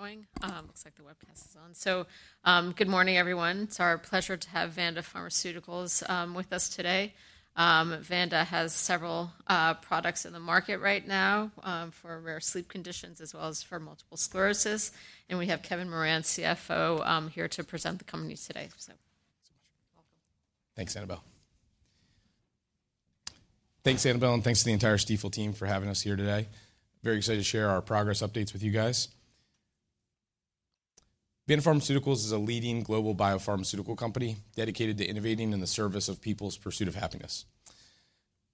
Let's get going. Looks like the webcast is on. So, good morning, everyone. It's our pleasure to have Vanda Pharmaceuticals with us today. Vanda has several products in the market right now for rare sleep conditions, as well as for multiple sclerosis. And we have Kevin Moran, CFO, here to present the company today. Thanks, Annabelle. Thanks, Annabelle, and thanks to the entire Stifel team for having us here today. Very excited to share our progress updates with you guys. Vanda Pharmaceuticals is a leading global biopharmaceutical company dedicated to innovating in the service of people's pursuit of happiness.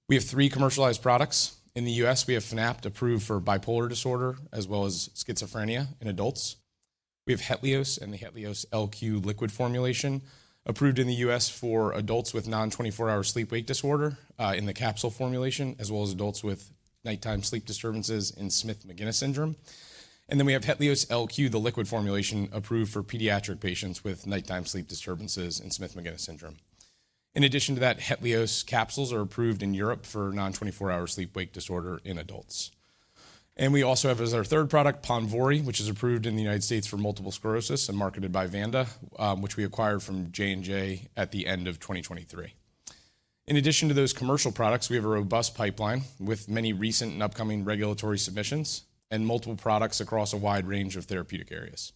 We have three commercialized products. In the U.S., we have Fanapt approved for bipolar disorder, as well as schizophrenia in adults. We have Hetlioz and the HETLIOZ LQ liquid formulation approved in the U.S. for adults with non-24-hour sleep-wake disorder in the capsule formulation, as well as adults with nighttime sleep disturbances in Smith-Magenis Syndrome. And then we have HETLIOZ LQ, the liquid formulation approved for pediatric patients with nighttime sleep disturbances in Smith-Magenis Syndrome. In addition to that, Hetlioz capsules are approved in Europe for non-24-hour sleep-wake disorder in adults. We also have, as our third product, Ponvory, which is approved in the United States for multiple sclerosis and marketed by Vanda, which we acquired from J&J at the end of 2023. In addition to those commercial products, we have a robust pipeline with many recent and upcoming regulatory submissions and multiple products across a wide range of therapeutic areas.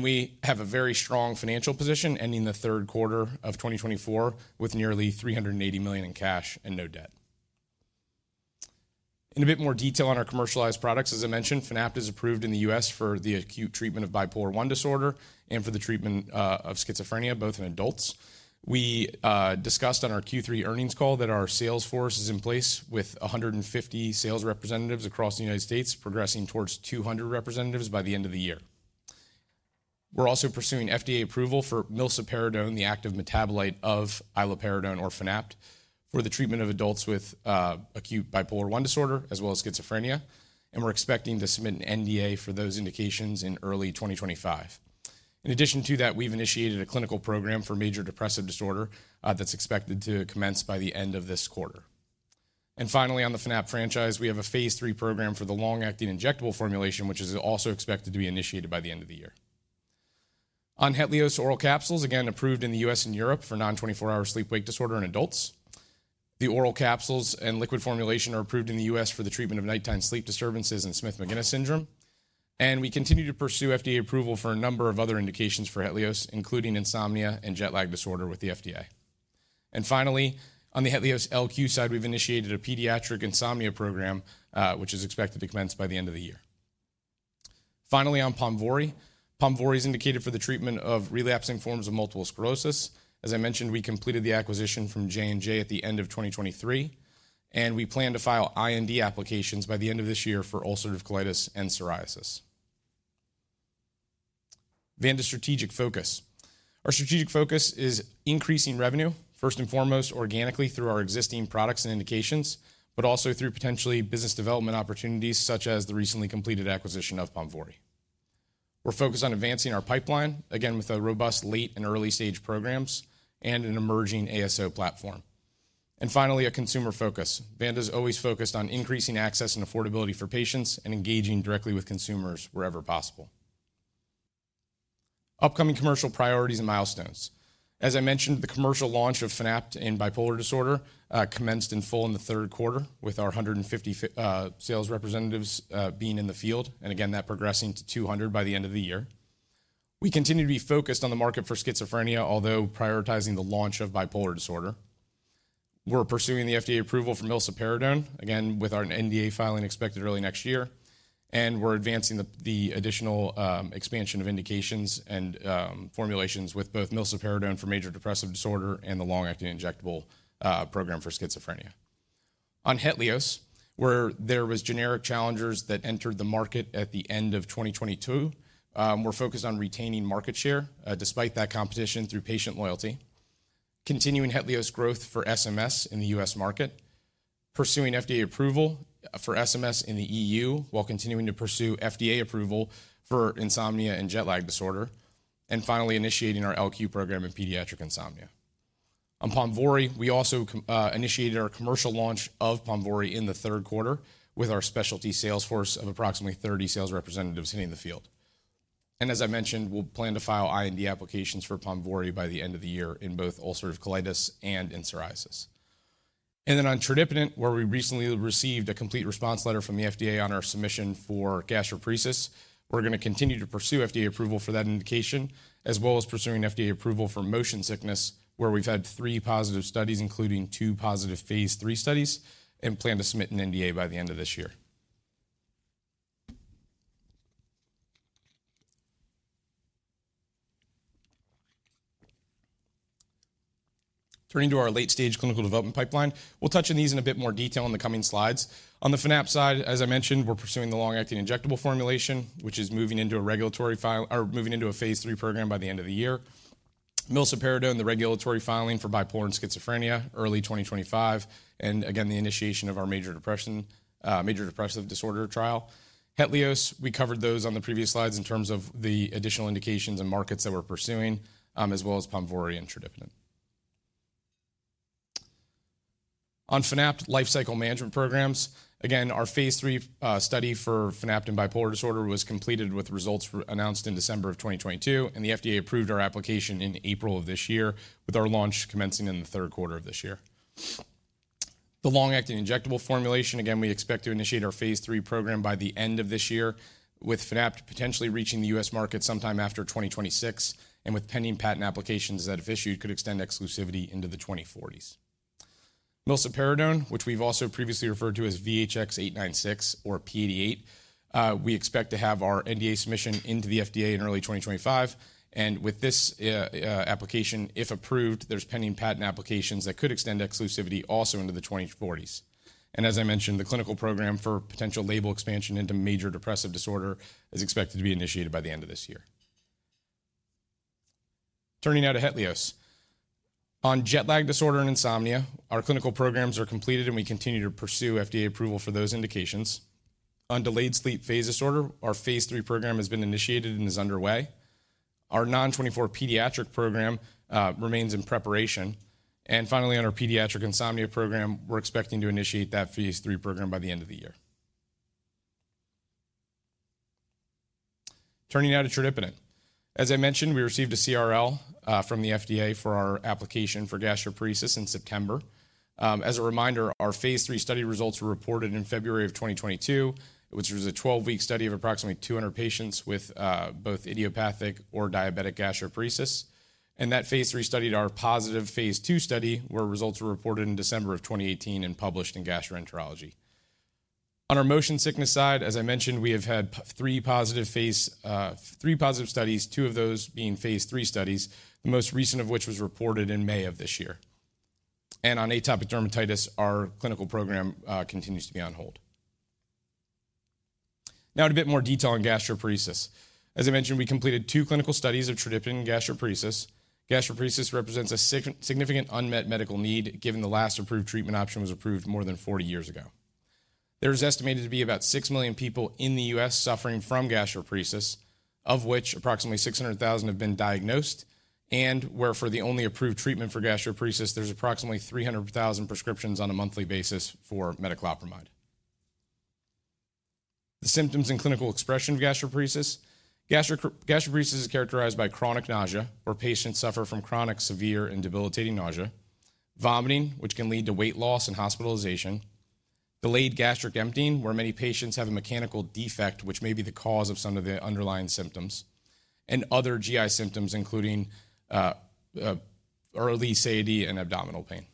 We have a very strong financial position ending the third quarter of 2024 with nearly $380 million in cash and no debt. In a bit more detail on our commercialized products, as I mentioned, Fanapt is approved in the U.S. for the acute treatment of bipolar I disorder and for the treatment of schizophrenia, both in adults. We discussed on our Q3 earnings call that our sales force is in place with 150 sales representatives across the United States, progressing towards 200 representatives by the end of the year. We're also pursuing FDA approval for milsaperidone, the active metabolite of iloperidone or Fanapt, for the treatment of adults with acute bipolar I disorder, as well as schizophrenia, and we're expecting to submit an NDA for those indications in early 2025. In addition to that, we've initiated a clinical program for major depressive disorder that's expected to commence by the end of this quarter, and finally, on the Fanapt franchise, we have a phase three program for the long-acting injectable formulation, which is also expected to be initiated by the end of the year. On Helios oral capsules, again, approved in the U.S. and Europe for non-24-hour sleep-wake disorder in adults. The oral capsules and liquid formulation are approved in the U.S. for the treatment of nighttime sleep disturbances in Smith-Magenis Syndrome. We continue to pursue FDA approval for a number of other indications for Hetlioz, including insomnia and jet lag disorder with the FDA. Finally, on the HETLIOZ LQ side, we've initiated a pediatric insomnia program, which is expected to commence by the end of the year. Finally, on Ponvory, Ponvory is indicated for the treatment of relapsing forms of multiple sclerosis. As I mentioned, we completed the acquisition from J&J at the end of 2023, and we plan to file IND applications by the end of this year for ulcerative colitis and psoriasis. Vanda Strategic Focus. Our strategic focus is increasing revenue, first and foremost, organically through our existing products and indications, but also through potentially business development opportunities such as the recently completed acquisition of Ponvory. We're focused on advancing our pipeline, again, with robust late and early-stage programs and an emerging ASO platform. And finally, a consumer focus. Vanda is always focused on increasing access and affordability for patients and engaging directly with consumers wherever possible. Upcoming commercial priorities and milestones. As I mentioned, the commercial launch of Fanapt in bipolar disorder commenced in full in the third quarter, with our 150 sales representatives being in the field, and again, that progressing to 200 by the end of the year. We continue to be focused on the market for schizophrenia, although prioritizing the launch of bipolar disorder. We're pursuing the FDA approval for milsaperidone, again, with our NDA filing expected early next year. And we're advancing the additional expansion of indications and formulations with both milsaperidone for major depressive disorder and the long-acting injectable program for schizophrenia. On Hetlioz, where there were generic challengers that entered the market at the end of 2022, we're focused on retaining market share despite that competition through patient loyalty, continuing Hetlioz growth for SMS in the U.S. market, pursuing FDA approval for SMS in the EU while continuing to pursue FDA approval for insomnia and jet lag disorder, and finally initiating our LQ program in pediatric insomnia. On Ponvory, we also initiated our commercial launch of Ponvory in the third quarter with our specialty sales force of approximately 30 sales representatives hitting the field, and as I mentioned, we'll plan to file IND applications for Ponvory by the end of the year in both ulcerative colitis and in psoriasis. And then on tradipitant, where we recently received a Complete Response Letter from the FDA on our submission for gastroparesis, we're going to continue to pursue FDA approval for that indication, as well as pursuing FDA approval for motion sickness, where we've had three positive studies, including two positive phase 3 studies, and plan to submit an NDA by the end of this year. Turning to our late-stage clinical development pipeline, we'll touch on these in a bit more detail in the coming slides. On the Fanapt side, as I mentioned, we're pursuing the long-acting injectable formulation, which is moving into a regulatory filing or moving into a phase 3 program by the end of the year. milsaperidone, the regulatory filing for bipolar and schizophrenia, early 2025, and again, the initiation of our major depressive disorder trial. Hetlioz, we covered those on the previous slides in terms of the additional indications and markets that we're pursuing, as well as Ponvory and tradipitant. On Fanapt, lifecycle management programs. Again, our phase three study for Fanapt in bipolar disorder was completed with results announced in December of 2022, and the FDA approved our application in April of this year, with our launch commencing in the third quarter of this year. The long-acting injectable formulation, again, we expect to initiate our phase three program by the end of this year, with Fanapt potentially reaching the US market sometime after 2026, and with pending patent applications that, if issued, could extend exclusivity into the 2040s. milsaperidone, which we've also previously referred to as VHX896 or P88, we expect to have our NDA submission into the FDA in early 2025. With this application, if approved, there's pending patent applications that could extend exclusivity also into the 2040s. As I mentioned, the clinical program for potential label expansion into major depressive disorder is expected to be initiated by the end of this year. Turning now to Hetlioz. On jet lag disorder and insomnia, our clinical programs are completed, and we continue to pursue FDA approval for those indications. On delayed sleep phase disorder, our phase 3 program has been initiated and is underway. Our non-24 pediatric program remains in preparation. And finally, on our pediatric insomnia program, we're expecting to initiate that phase 3 program by the end of the year. Turning now to tradipitant. As I mentioned, we received a CRL from the FDA for our application for gastroparesis in September. As a reminder, our phase 3 study results were reported in February of 2022, which was a 12-week study of approximately 200 patients with both idiopathic or diabetic gastroparesis. And that phase 3 studied our positive phase 2 study, where results were reported in December of 2018 and published in Gastroenterology. On our motion sickness side, as I mentioned, we have had three positive phase 3 studies, two of those being phase 3 studies, the most recent of which was reported in May of this year. And on atopic dermatitis, our clinical program continues to be on hold. Now, in a bit more detail on gastroparesis. As I mentioned, we completed two clinical studies of tradipitant and gastroparesis. Gastroparesis represents a significant unmet medical need, given the last approved treatment option was approved more than 40 years ago. There is estimated to be about six million people in the U.S. suffering from gastroparesis, of which approximately 600,000 have been diagnosed, and where for the only approved treatment for gastroparesis, there's approximately 300,000 prescriptions on a monthly basis for metoclopramide. The symptoms and clinical expression of gastroparesis. Gastroparesis is characterized by chronic nausea, where patients suffer from chronic, severe, and debilitating nausea. Vomiting, which can lead to weight loss and hospitalization. Delayed gastric emptying, where many patients have a mechanical defect, which may be the cause of some of the underlying symptoms. And other GI symptoms, including early satiety and abdominal pain.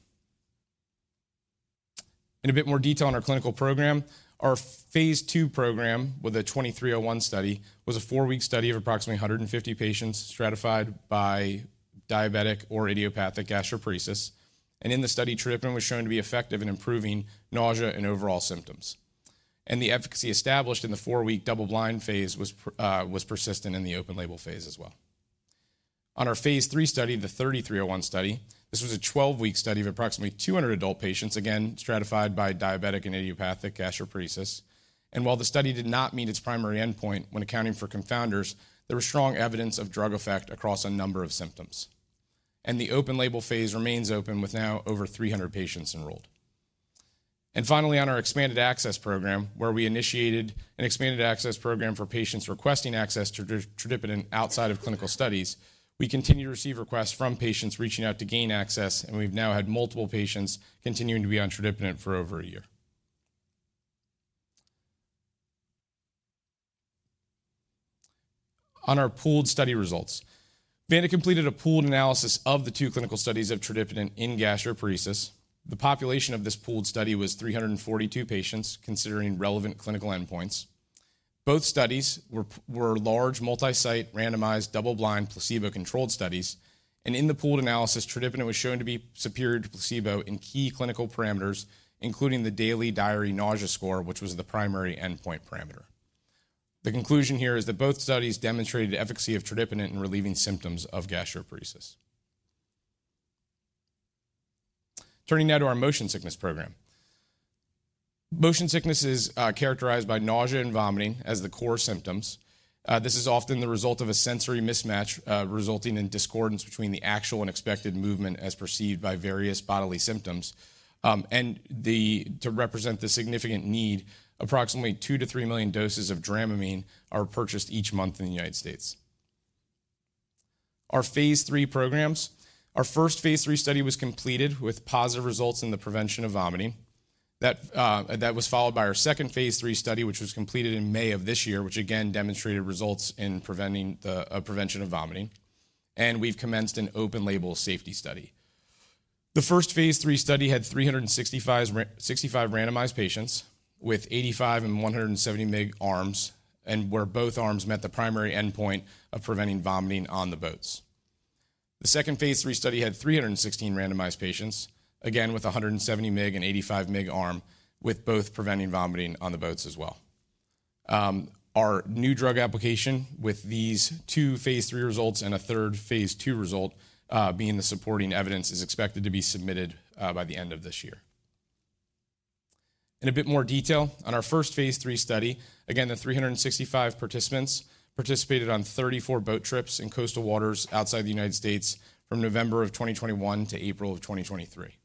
In a bit more detail on our clinical program, our phase two program with a 2301 study was a four-week study of approximately 150 patients stratified by diabetic or idiopathic gastroparesis. And in the study, tradipitant was shown to be effective in improving nausea and overall symptoms. The efficacy established in the four-week double-blind phase was persistent in the open label phase as well. On our phase 3 study, the 3301 study, this was a 12-week study of approximately 200 adult patients, again, stratified by diabetic and idiopathic gastroparesis. While the study did not meet its primary endpoint when accounting for confounders, there was strong evidence of drug effect across a number of symptoms. The open label phase remains open with now over 300 patients enrolled. Finally, on our expanded access program, where we initiated an expanded access program for patients requesting access to tradipitant outside of clinical studies, we continue to receive requests from patients reaching out to gain access, and we've now had multiple patients continuing to be on tradipitant for over a year. On our pooled study results, Vanda completed a pooled analysis of the two clinical studies of tradipitant in gastroparesis. The population of this pooled study was 342 patients, considering relevant clinical endpoints. Both studies were large, multi-site, randomized, double-blind, placebo-controlled studies. And in the pooled analysis, tradipitant was shown to be superior to placebo in key clinical parameters, including the daily diary nausea score, which was the primary endpoint parameter. The conclusion here is that both studies demonstrated efficacy of tradipitant in relieving symptoms of gastroparesis. Turning now to our motion sickness program. Motion sickness is characterized by nausea and vomiting as the core symptoms. This is often the result of a sensory mismatch resulting in discordance between the actual and expected movement as perceived by various bodily symptoms. To represent the significant need, approximately 2-3 million doses of Dramamine are purchased each month in the United States. Our phase 3 programs, our first phase 3 study was completed with positive results in the prevention of vomiting. That was followed by our second phase 3 study, which was completed in May of this year, which again demonstrated results in prevention of vomiting. We've commenced an open label safety study. The first phase 3 study had 365 randomized patients with 85 and 170 mg arms, and where both arms met the primary endpoint of preventing vomiting on the boats. The second phase 3 study had 316 randomized patients, again with 170 mg and 85 mg arm, with both preventing vomiting on the boats as well. Our new drug application with these two phase 3 results and a third phase 2 result being the supporting evidence is expected to be submitted by the end of this year. In a bit more detail, on our first phase 3 study, again, the 365 participants participated on 34 boat trips in coastal waters outside the United States from November of 2021 to April of 2023.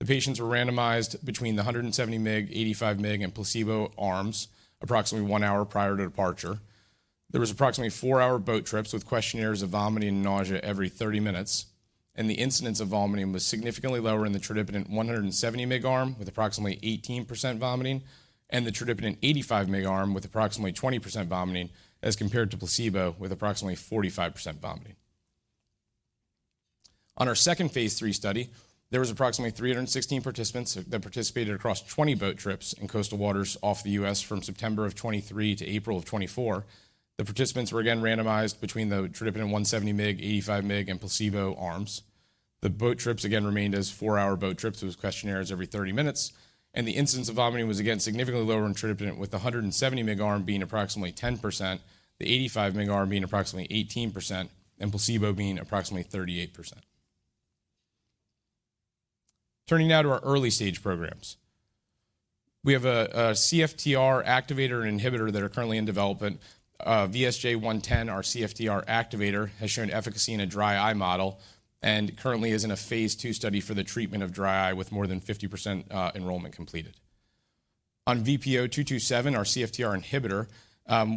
The patients were randomized between the 170 mg, 85 mg, and placebo arms approximately one hour prior to departure. There were approximately four-hour boat trips with questionnaires of vomiting and nausea every 30 minutes. And the incidence of vomiting was significantly lower in the tradipitant 170 mg arm with approximately 18% vomiting and the tradipitant 85 mg arm with approximately 20% vomiting as compared to placebo with approximately 45% vomiting. On our second phase 3 study, there were approximately 316 participants that participated across 20 boat trips in coastal waters off the U.S. from September of 2023 to April of 2024. The participants were again randomized between the tradipitant 170 mg, 85 mg, and placebo arms. The boat trips again remained as four-hour boat trips with questionnaires every 30 minutes. The incidence of vomiting was again significantly lower in tradipitant with the 170 mg arm being approximately 10%, the 85 mg arm being approximately 18%, and placebo being approximately 38%. Turning now to our early-stage programs. We have a CFTR activator and inhibitor that are currently in development. VSJ110, our CFTR activator, has shown efficacy in a dry eye model and currently is in a phase 2 study for the treatment of dry eye with more than 50% enrollment completed. On VPO227, our CFTR inhibitor,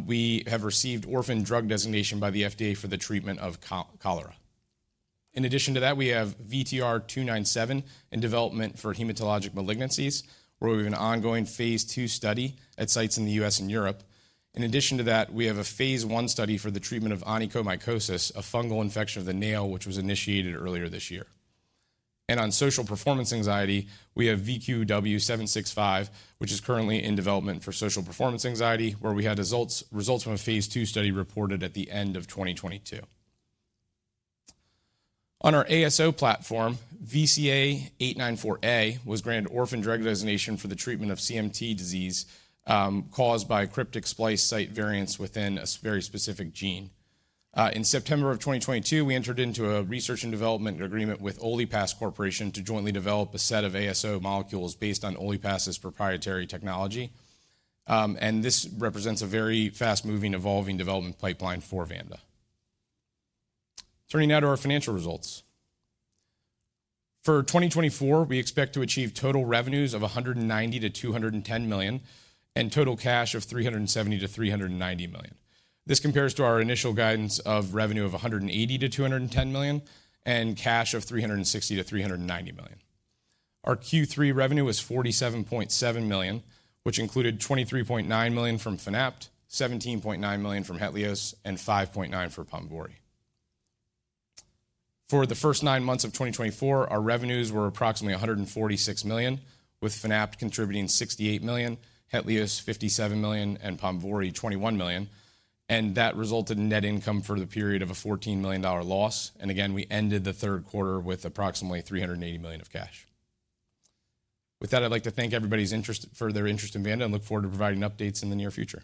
we have received orphan drug designation by the FDA for the treatment of cholera. In addition to that, we have VTR297 in development for hematologic malignancies, where we have an ongoing phase two study at sites in the U.S. and Europe. In addition to that, we have a phase one study for the treatment of onychomycosis, a fungal infection of the nail, which was initiated earlier this year. On social performance anxiety, we have VQW765, which is currently in development for social performance anxiety, where we had results from a phase two study reported at the end of 2022. On our ASO platform, VCA894A was granted orphan drug designation for the treatment of CMT disease caused by cryptic splice site variants within a very specific gene. In September of 2022, we entered into a research and development agreement with OliPass Corporation to jointly develop a set of ASO molecules based on OliPass's proprietary technology. And this represents a very fast-moving, evolving development pipeline for Vanda. Turning now to our financial results. For 2024, we expect to achieve total revenues of $190-$210 million and total cash of $370-$390 million. This compares to our initial guidance of revenue of $180-$210 million and cash of $360-$390 million. Our Q3 revenue was $47.7 million, which included $23.9 million from Fanapt, $17.9 million from Hetlioz, and $5.9 million for Ponvory. For the first nine months of 2024, our revenues were approximately $146 million, with Fanapt contributing $68 million, Hetlioz $57 million, and Ponvory $21 million. And that resulted in net income for the period of a $14 million loss. Again, we ended the third quarter with approximately $380 million of cash. With that, I'd like to thank everybody for their interest in Vanda and look forward to providing updates in the near future.